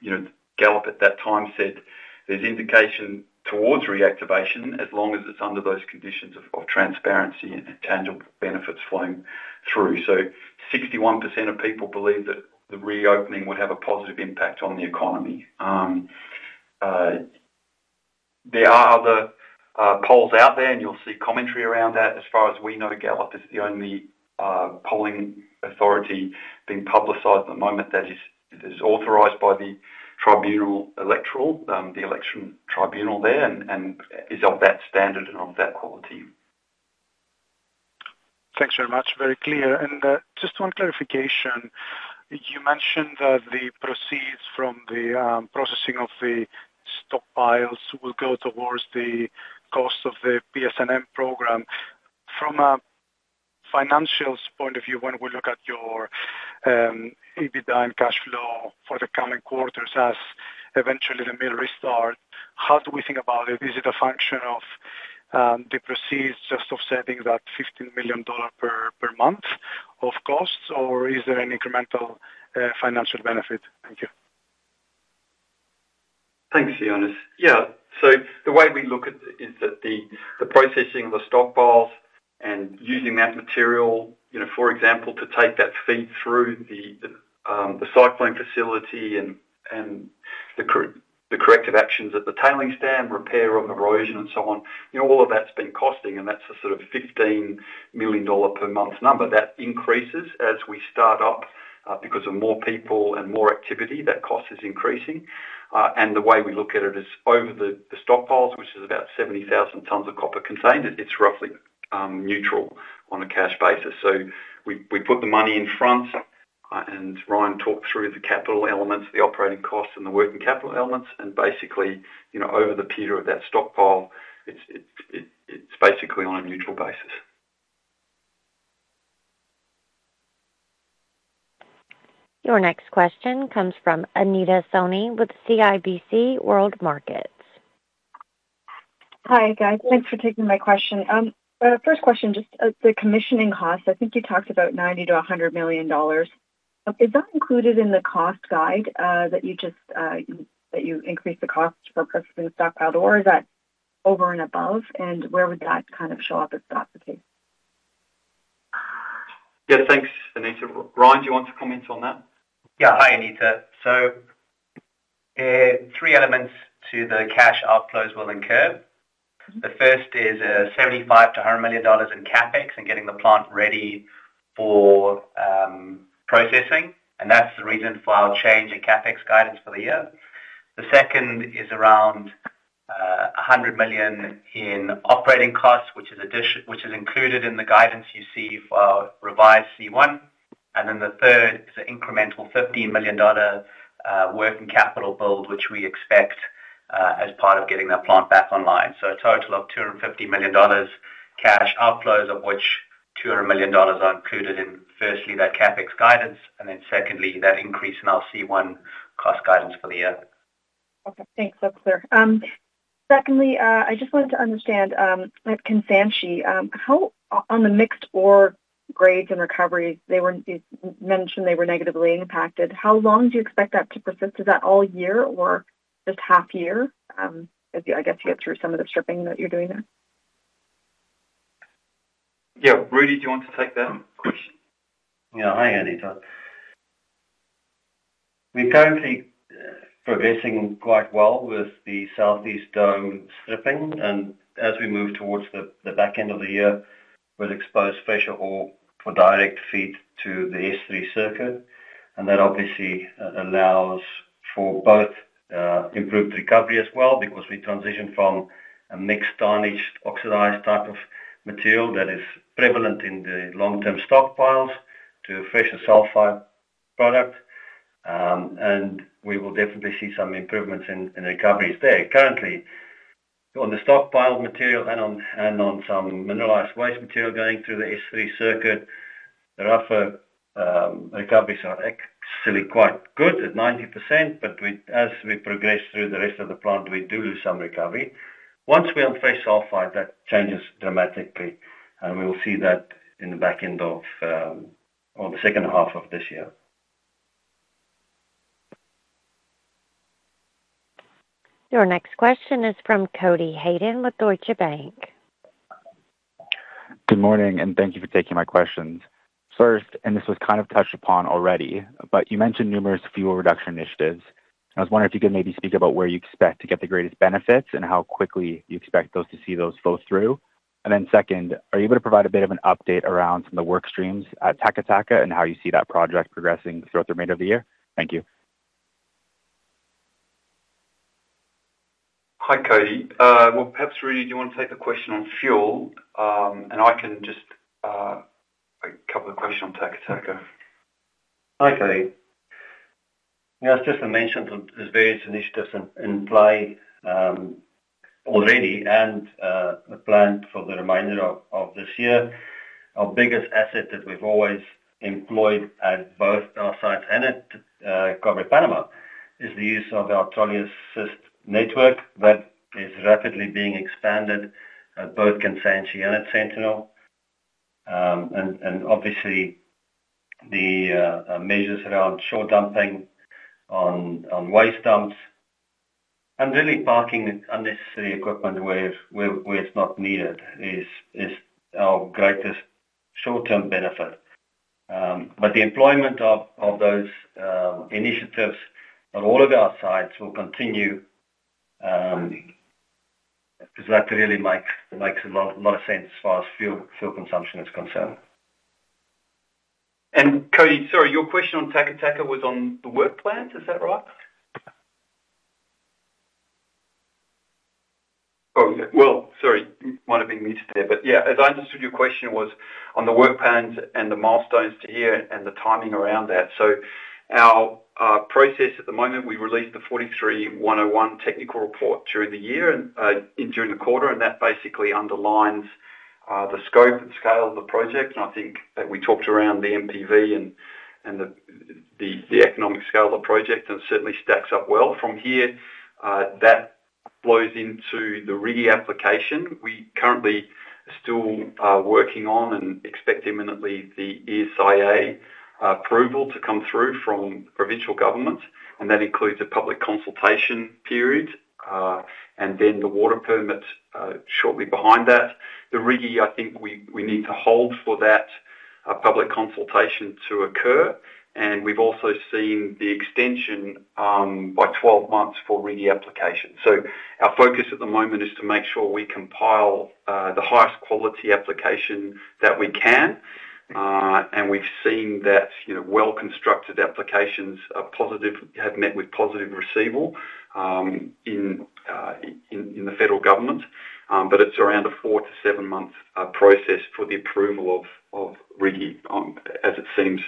You know, Gallup at that time said there's indication towards reactivation as long as it's under those conditions of transparency and tangible benefits flowing through. 61% of people believe that the reopening would have a positive impact on the economy. There are other polls out there, and you'll see commentary around that. As far as we know, Gallup is the only polling authority being publicized at the moment that is authorized by the tribunal electoral, the election tribunal there and is of that standard and of that quality. Thanks very much. Very clear. Just one clarification. You mentioned that the proceeds from the processing of the stockpiles will go towards the cost of the PSNM program. From a financials point of view, when we look at your EBITDA and cash flow for the coming quarters as eventually the mill restart, how do we think about it? Is it a function of the proceeds just offsetting that $15 million per month of costs, or is there an incremental financial benefit? Thank you. Thanks, Ioannis. Yeah. The way we look at it is that the processing of the stockpiles and using that material, you know, for example, to take that feed through the CIL facility and the corrective actions at the tailings dam, repair of erosion and so on, you know, all of that's been costing, and that's the sort of $15 million per month number. That increases as we start up, because of more people and more activity, that cost is increasing. The way we look at it is over the stockpiles, which is about 70,000 tons of copper contained, it's roughly neutral on a cash basis. We put the money in front, and Ryan talked through the capital elements, the operating costs, and the working capital elements, and basically, you know, over the period of that stockpile, it's basically on a neutral basis. Your next question comes from Anita Soni with CIBC World Markets. Hi, guys. Thanks for taking my question. First question, just the commissioning costs. I think you talked about $90 million-$100 million. Is that included in the cost guide that you just, that you increased the cost for processing the stockpile, or is that over and above? Where would that kind of show up if that's the case? Yeah, thanks, Anita. Ryan, do you want to comment on that? Yeah. Hi, Anita. Three elements to the cash outflows will incur. Mm-hmm. The first is $75 million-$100 million in CapEx and getting the plant ready for processing, and that's the reason for our change in CapEx guidance for the year. The second is around $100 million in operating costs, which is included in the guidance you see for our revised C1. The third is the incremental $15 million working capital build, which we expect as part of getting that plant back online. A total of $250 million cash outflows, of which $200 million are included in, firstly, that CapEx guidance, and then secondly, that increase in our C1 cost guidance for the year. Okay, thanks. That's clear. Secondly, I just wanted to understand with Kansanshi, how on the mixed ore grades and recoveries, you mentioned they were negatively impacted. How long do you expect that to persist? Is that all year or just half year, as you, I guess, get through some of the stripping that you're doing there? Yeah. Rudi, do you want to take that question? Yeah. Hi, Anita. We're currently progressing quite well with the southeast dome stripping, and as we move towards the back end of the year, we'll expose fresher ore for direct feed to the S3 circuit. For both, improved recovery as well, because we transition from a mixed tarnished oxidized type of material that is prevalent in the long-term stockpiles to a fresher sulfide product. We will definitely see some improvements in the recoveries there. Currently, on the stockpiled material and on some mineralized waste material going through the S3 circuit, the rougher recoveries are actually quite good at 90%, but as we progress through the rest of the plant, we do lose some recovery. Once we're on fresh sulfide, that changes dramatically, and we will see that in the back end of, or the second half of this year. Your next question is from Cody Hayden with Deutsche Bank. Good morning. Thank you for taking my questions. First, this was kind of touched upon already. You mentioned numerous fuel reduction initiatives. I was wondering if you could maybe speak about where you expect to get the greatest benefits and how quickly you expect to see those flow through. Second, are you able to provide a bit of an update around some of the work streams at Taca Taca and how you see that project progressing throughout the remainder of the year? Thank you. Hi, Cody. Well, perhaps, Rudi, do you want to take the question on fuel? I can just, a couple of questions on Taca Taca. Hi, Cody. As Tristan mentioned, there's various initiatives in play already and planned for the remainder of this year. Our biggest asset that we've always employed at both our sites and at Cobre Panamá, is the use of our trolley assist network that is rapidly being expanded at both Kansanshi and at Sentinel. Obviously, the measures around shore dumping on waste dumps and really parking unnecessary equipment where it's not needed is our greatest short-term benefit. The employment of those initiatives on all of our sites will continue, 'cause that really makes a lot of sense as far as fuel consumption is concerned. Cody, sorry, your question on Taca Taca was on the work plans. Is that right? Well, sorry. Might have been muted there, but yeah, as I understood, your question was on the work plans and the milestones to hear and the timing around that. Our process at the moment, we released the 43-101 technical report during the year and during the quarter, and that basically underlines the scope and scale of the project. I think that we talked around the NPV and the economic scale of the project, and it certainly stacks up well. From here, that flows into the RIGI application. We currently still are working on and expect imminently the ESIA approval to come through from provincial government, and that includes a public consultation period and then the water permit shortly behind that. The RIGI, I think we need to hold for that public consultation to occur. We've also seen the extension by 12 months for RIGI application. Our focus at the moment is to make sure we compile the highest quality application that we can. We've seen that, you know, well-constructed applications have met with positive receival in the federal government. It's around a 4 to 7-month process for the approval of RIGI as it seems.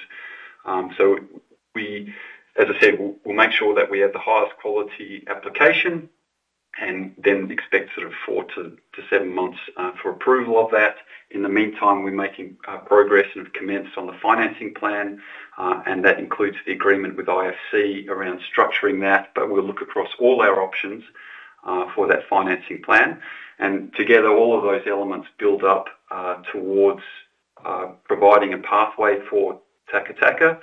As I said, we'll make sure that we have the highest quality application and then expect sort of 4 to 7 months for approval of that. In the meantime, we're making progress and have commenced on the financing plan, and that includes the agreement with IFC around structuring that. We'll look across all our options for that financing plan. Together, all of those elements build up towards providing a pathway for Taca Taca.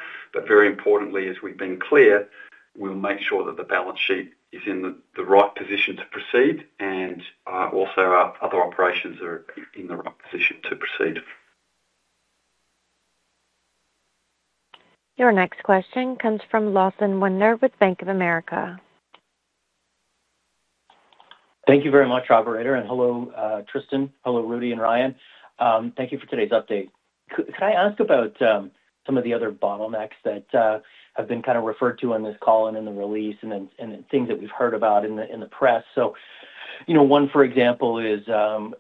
Very importantly, as we've been clear, we'll make sure that the balance sheet is in the right position to proceed and also our other operations are in the right position to proceed. Your next question comes from Lawson Winder with Bank of America. Thank you very much, operator. Hello, Tristan. Hello, Rudi and Ryan. Thank you for today's update. Can I ask about some of the other bottlenecks that have been kind of referred to on this call and in the release and things that we've heard about in the press? You know, one, for example, is,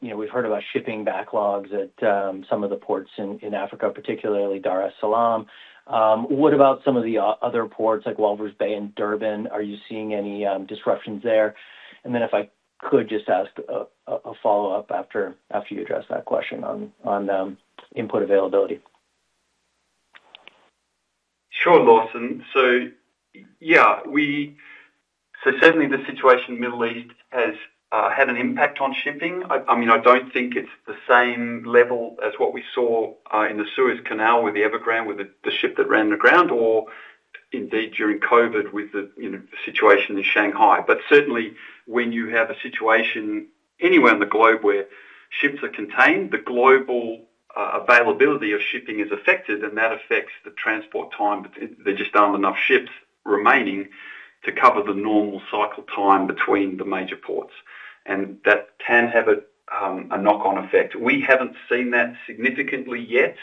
you know, we've heard about shipping backlogs at some of the ports in Africa, particularly Dar es Salaam. What about some of the other ports like Walvis Bay and Durban? Are you seeing any disruptions there? If I could just ask a follow-up after you address that question on input availability. Sure, Lawson. We so certainly the situation in Middle East has had an impact on shipping. I mean, I don't think it's the same level as what we saw in the Suez Canal with the Ever Given, with the ship that ran aground or indeed during COVID with the, you know, situation in Shanghai. Certainly when you have a situation anywhere in the globe where ships are contained, the global availability of shipping is affected and that affects the transport time. There just aren't enough ships remaining to cover the normal cycle time between the major ports. That can have a knock on effect. We haven't seen that significantly yet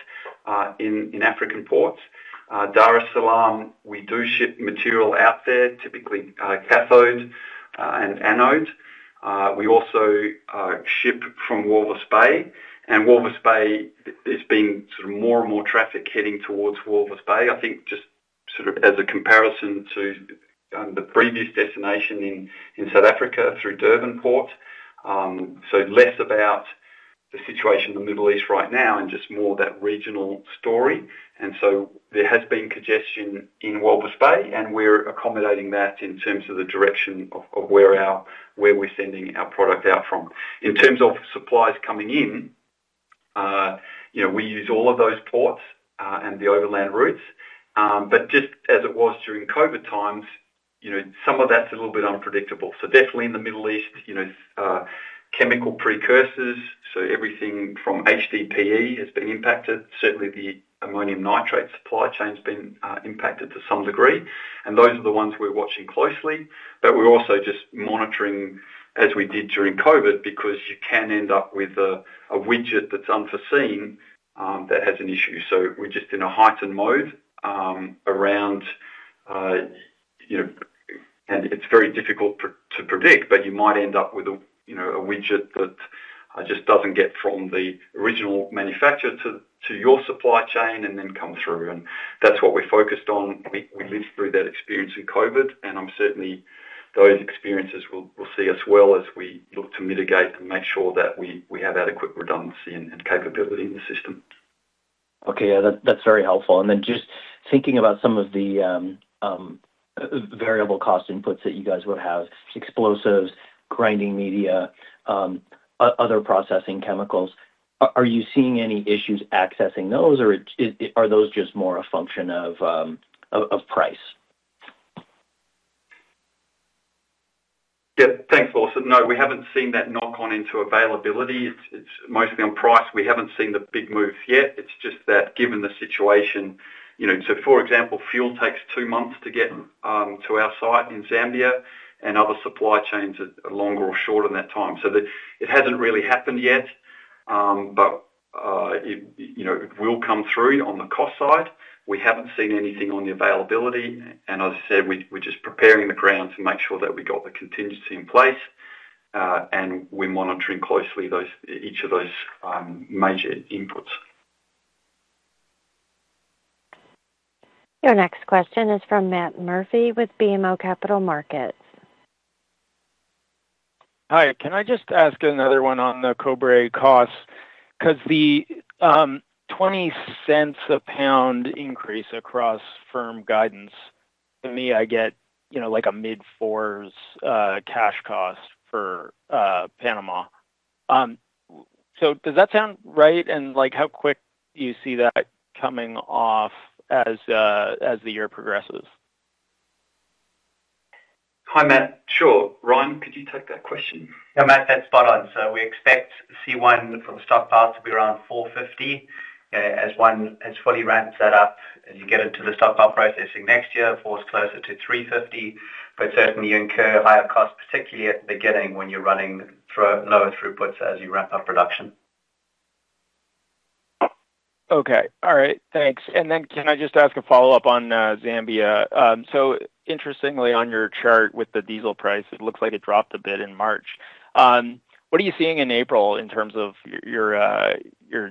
in African ports. Dar es Salaam, we do ship material out there, typically, cathode and anode. We also ship from Walvis Bay, and Walvis Bay is seeing sort of more and more traffic heading towards Walvis Bay. I think just sort of as a comparison to the previous destination in South Africa through Durban Port. Less about the situation in the Middle East right now and just more that regional story. There has been congestion in Walvis Bay, and we're accommodating that in terms of the direction of where we're sending our product out from. In terms of supplies coming in, you know, we use all of those ports and the overland routes. Just as it was during COVID times, you know, some of that's a little bit unpredictable. Definitely in the Middle East, you know, chemical precursors, so everything from HDPE has been impacted. Certainly, the ammonium nitrate supply chain's been impacted to some degree. Those are the ones we're watching closely. We're also just monitoring as we did during COVID, because you can end up with a widget that's unforeseen that has an issue. We're just in a heightened mode around, you know. It's very difficult to predict, but you might end up with a, you know, a widget that just doesn't get from the original manufacturer to your supply chain and then come through. That's what we're focused on. We lived through that experience in COVID, I'm certainly those experiences will see us well as we look to mitigate and make sure that we have adequate redundancy and capability in the system. Okay. Yeah, that's very helpful. Just thinking about some of the variable cost inputs that you guys would have, explosives, grinding media, other processing chemicals. Are you seeing any issues accessing those, or are those just more a function of price? Yeah. Thanks, Lawson. No, we haven't seen that knock on into availability. It's mostly on price. We haven't seen the big move yet. It's just that given the situation, you know. For example, fuel takes two months to get to our site in Zambia, and other supply chains are longer or shorter than that time. It hasn't really happened yet, you know, it will come through on the cost side. We haven't seen anything on the availability. As I said, we're just preparing the ground to make sure that we got the contingency in place, and we're monitoring closely each of those major inputs. Your next question is from Matt Murphy with BMO Capital Markets. Hi. Can I just ask another one on the Cobre costs? The $0.20 a lb increase across firm guidance, to me, I get, you know, like a mid-$4s cash cost for Panama. Does that sound right? Like, how quick do you see that coming off as the year progresses? Hi, Matt. Sure. Ryan, could you take that question? Yeah, Matt, that's spot on. We expect C1 from stockpile to be around $4.50. As one has fully ramped that up, as you get into the stockpile processing next year, falls closer to $3.50. Certainly you incur higher costs, particularly at the beginning when you're running through lower throughputs as you ramp up production. Okay. All right. Thanks. Can I just ask a follow-up on Zambia? Interestingly, on your chart with the diesel price, it looks like it dropped a bit in March. What are you seeing in April in terms of your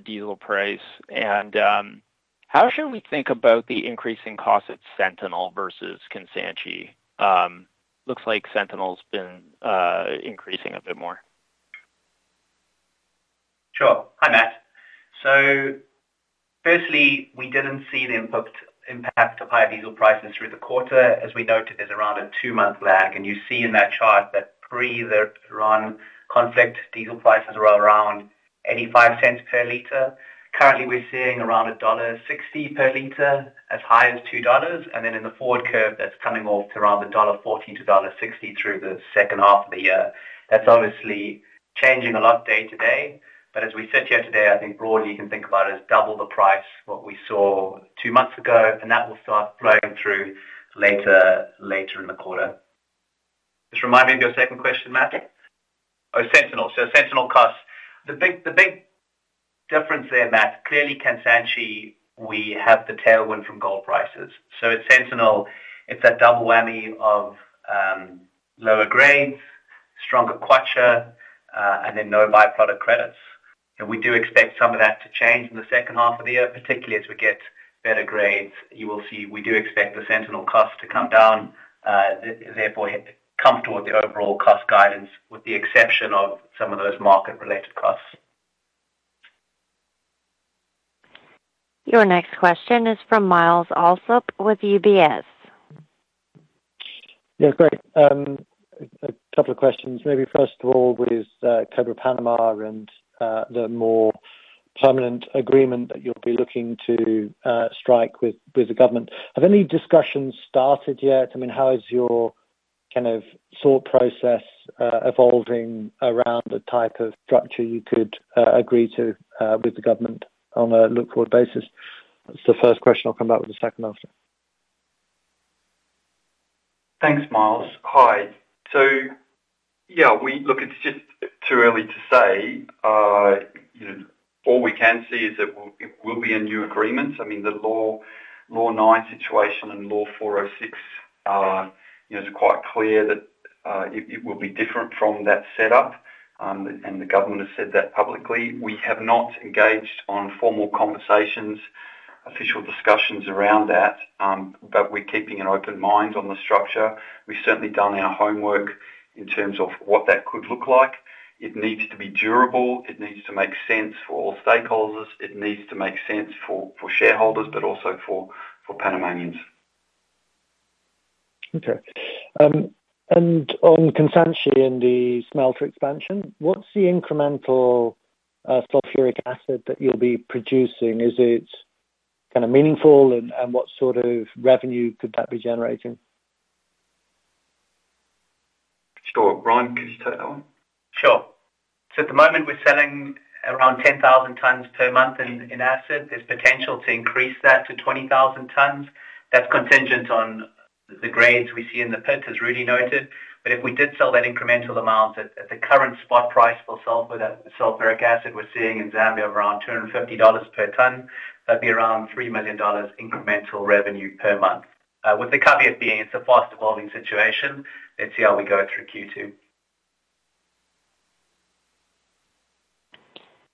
diesel price? How should we think about the increasing cost at Sentinel versus Kansanshi? Looks like Sentinel's been increasing a bit more. Sure. Hi, Matt. Firstly, we didn't see the input impact of high diesel prices through the quarter. As we noted, there's around a two-month lag, and you see in that chart that pre the Iran conflict, diesel prices were around $0.85 per L. Currently, we're seeing around $1.60 per L, as high as $2. Then in the forward curve, that's coming off to around $1.40-$1.60 through the second half of the year. That's obviously changing a lot day to day. As we sit here today, I think broadly you can think about it as double the price what we saw two months ago, and that will start flowing through later in the quarter. Just remind me of your second question, Matt. Oh, Sentinel. Sentinel costs. The big difference there, Matt, clearly Kansanshi, we have the tailwind from gold prices. At Sentinel it's that double whammy of lower grades, stronger kwacha, and then no byproduct credits. We do expect some of that to change in the second half of the year, particularly as we get better grades. You will see, we do expect the Sentinel cost to come down, therefore come toward the overall cost guidance, with the exception of some of those market-related costs. Your next question is from Myles Allsop with UBS. Great. A couple of questions. Maybe first of all with Cobre Panamá and the more permanent agreement that you'll be looking to strike with the government. Have any discussions started yet? I mean, how is your kind of thought process evolving around the type of structure you could agree to with the government on a look-forward basis? That's the first question. I'll come back with the second after. Thanks, Myles. Hi. Yeah, we look, it's just too early to say. You know, all we can see is that it will, it will be a new agreement. I mean, the law, Law 9 situation and Law 406, you know, it's quite clear that it will be different from that setup. The government has said that publicly. We have not engaged on formal conversations, official discussions around that, but we're keeping an open mind on the structure. We've certainly done our homework in terms of what that could look like. It needs to be durable. It needs to make sense for all stakeholders. It needs to make sense for shareholders, but also for Panamanians. Okay. On Kansanshi and the smelter expansion, what's the incremental sulfuric acid that you'll be producing? Is it kind of meaningful? What sort of revenue could that be generating? Sure. Ryan, could you take that one? At the moment, we're selling around 10,000 tons per month in acid. There's potential to increase that to 20,000 tons. That's contingent on the grades we see in the pit, as Rudi noted. If we did sell that incremental amount at the current spot price for sulfuric acid we're seeing in Zambia of around $250 per ton, that'd be around $3 million incremental revenue per month. With the caveat being it's a fast-evolving situation. Let's see how we go through Q2.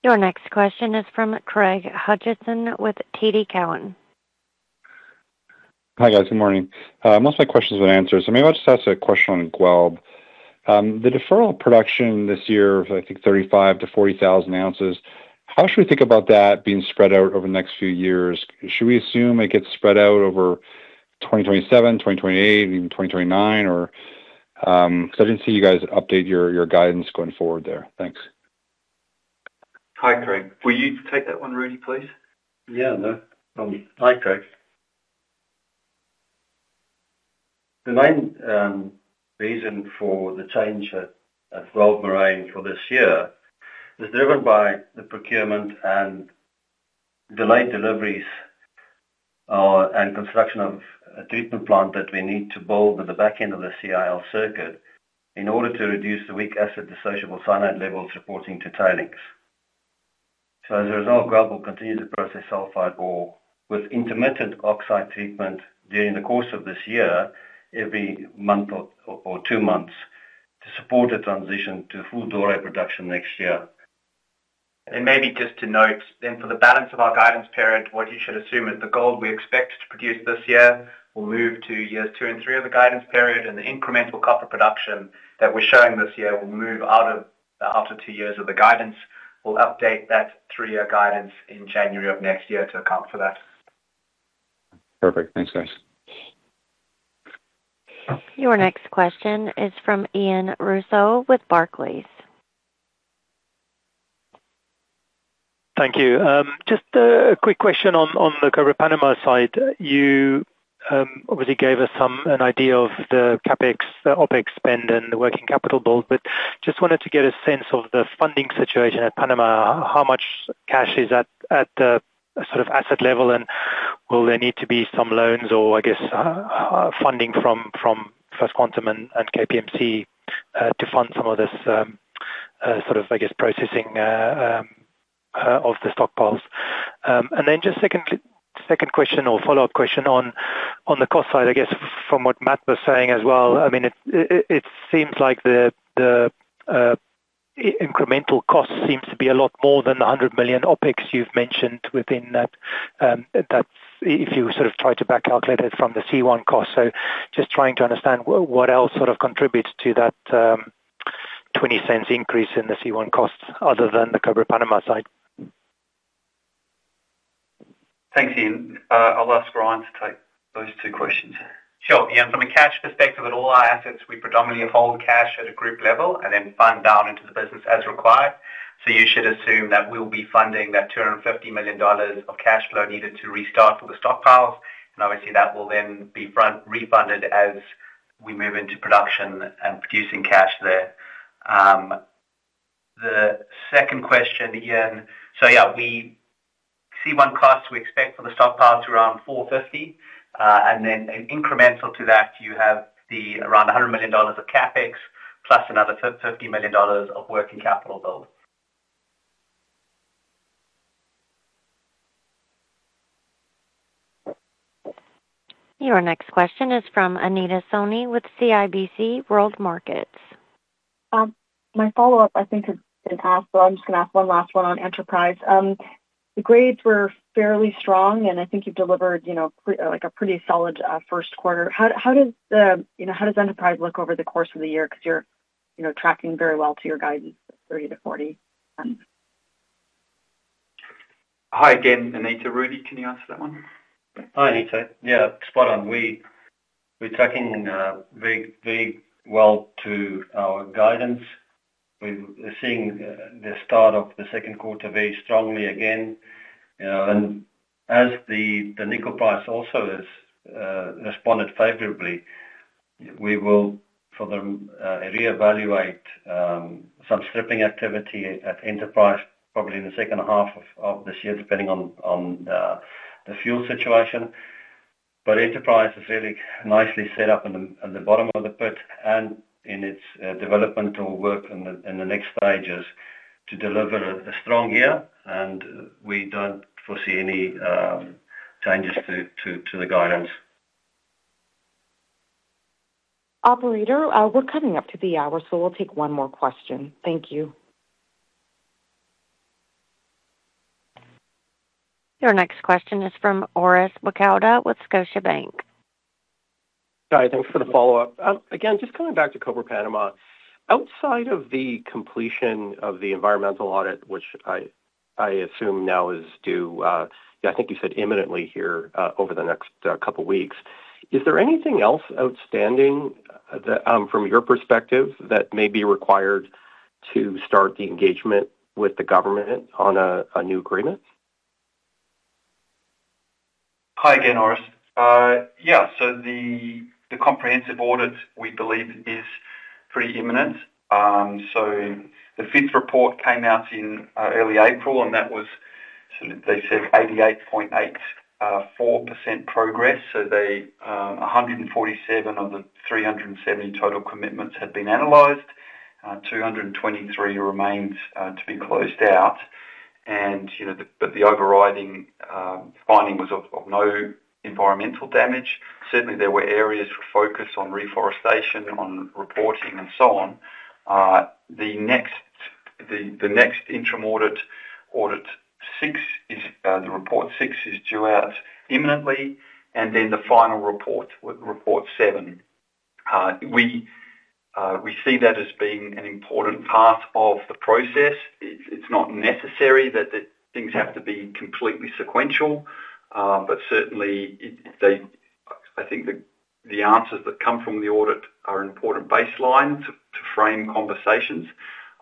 Your next question is from Craig Hutchison with TD Cowen. Hi, guys. Good morning. Most of my questions have been answered. Maybe I'll just ask a question on Guelb. The deferral of production this year of, I think 35,000-40,000 ounces, how should we think about that being spread out over the next few years? Should we assume it gets spread out over 2027, 2028, even 2029? Because I didn't see you guys update your guidance going forward there. Thanks. Hi, Craig. Will you take that one, Rudi, please? Hi, Craig. The main reason for the change at Guelb Mine for this year is driven by the procurement and delayed deliveries and construction of a treatment plant that we need to build at the back end of the CIL circuit in order to reduce the weak acid dissociable cyanide levels reporting to tailings. As a result, Guelb will continue to process sulfide ore with intermittent oxide treatment during the course of this year, every month or two months, to support a transition to full ore production next year. Maybe just to note then for the balance of our guidance period, what you should assume is the gold we expect to produce this year will move to years two and three of the guidance period, and the incremental copper production that we're showing this year will move out of the after two years of the guidance. We'll update that three-year guidance in January of next year to account for that. Perfect. Thanks, guys. Your next question is from Ian Rossouw with Barclays. Thank you. Just a quick question on the Cobre Panamá side. You obviously gave us an idea of the CapEx, the OpEx spend and the working capital build. Just wanted to get a sense of the funding situation at Panamá. How much cash is at the sort of asset level, and will there need to be some loans or, I guess, funding from First Quantum and KPMG to fund some of this sort of, I guess, processing of the stockpiles? Just second question or follow-up question on the cost side, I guess from what Matt was saying as well, I mean, it seems like the incremental cost seems to be a lot more than the $100 million OpEx you've mentioned within that if you sort of try to back calculate it from the C1 cost. Just trying to understand what else sort of contributes to that, $0.20 increase in the C1 cost other than the Cobre Panamá side. Thanks, Ian. I'll ask Ryan to take those two questions. Sure. Ian, from a cash perspective at all our assets, we predominantly hold cash at a group level and then fund down into the business as required. You should assume that we'll be funding that $250 million of cash flow needed to restart for the stockpiles. Obviously, that will then be refunded as we move into production and producing cash there. The second question, Ian, we see C1 cost we expect for the stockpile to around $450. Incremental to that, you have the around $100 million of CapEx plus another $50 million of working capital build. Your next question is from Anita Soni with CIBC World Markets. My follow-up I think has been asked, but I'm just going to ask one last one on enterprise. The grades were fairly strong, and I think you've delivered, you know, like a pretty solid first quarter. How, how does the, you know, how does enterprise look over the course of the year? Because you're, you know, tracking very well to your guidance of 30-40. Hi again, Anita. Rudi, can you answer that one? Hi, Anita. Yeah, spot on. We're tracking very, very well to our guidance. Seeing the start of the second quarter very strongly again, you know, and as the nickel price also has responded favorably. We will for the reevaluate some stripping activity at Enterprise probably in the second half of this year, depending on the fuel situation. Enterprise is really nicely set up at the bottom of the pit and in its developmental work in the next stages to deliver a strong year. We don't foresee any changes to the guidance. Operator, we're coming up to the hour. We'll take one more question. Thank you. Your next question is from Orest Wowkodaw with Scotiabank. Hi, thanks for the follow-up. Again, just coming back to Cobre Panamá. Outside of the completion of the environmental audit, which I assume now is due, I think you said imminently here, over the next couple weeks, is there anything else outstanding that from your perspective, that may be required to start the engagement with the government on a new agreement? Hi again, Orest. The comprehensive audit, we believe, is pretty imminent. The fifth report came out in early April, and they said 88.84% progress. They, 147 of the 370 total commitments had been analyzed. 223 remains to be closed out. You know, the overriding finding was of no environmental damage. Certainly, there were areas for focus on reforestation, on reporting and so on. The next, the next interim audit 6 is the report 6 is due out imminently, then the final report 7. We see that as being an important part of the process. It's not necessary that the things have to be completely sequential. Certainly, I think the answers that come from the audit are an important baseline to frame conversations.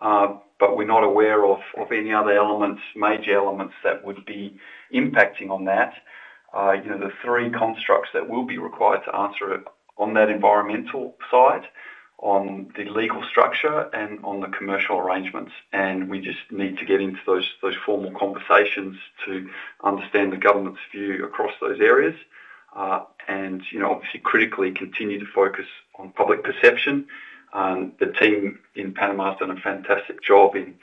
We're not aware of any other elements, major elements that would be impacting on that. You know, the three constructs that will be required to answer it on that environmental side, on the legal structure and on the commercial arrangements. We just need to get into those formal conversations to understand the government's view across those areas. You know, obviously critically continue to focus on public perception. The team in Panama has done a fantastic job in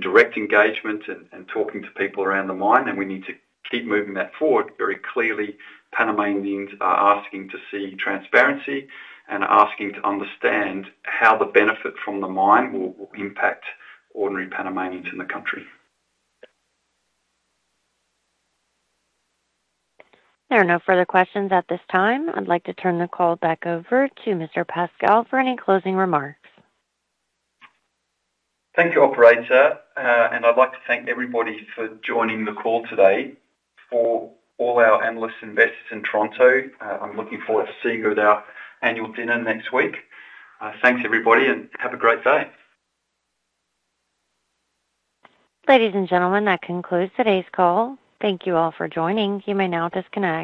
direct engagement and talking to people around the mine, and we need to keep moving that forward. Very clearly, Panamanians are asking to see transparency and asking to understand how the benefit from the mine will impact ordinary Panamanians in the country. There are no further questions at this time. I'd like to turn the call back over to Mr. Pascall for any closing remarks. Thank you, operator. I'd like to thank everybody for joining the call today. For all our analysts and investors in Toronto, I'm looking forward to seeing you at our annual dinner next week. Thanks, everybody, and have a great day. Ladies and gentlemen, that concludes today's call. Thank you all for joining. You may now disconnect.